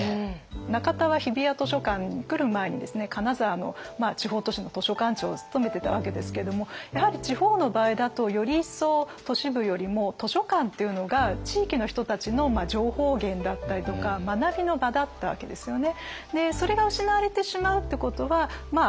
中田は日比谷図書館に来る前にですね金沢の地方都市の図書館長を務めてたわけですけどもやはり地方の場合だとより一層都市部よりも図書館っていうのが地域の人たちの情報源だったりとか学びの場だったわけですよね。